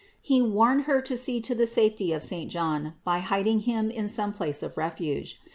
He warned her to see to the safety of saint John by hiding him in some place of refuge.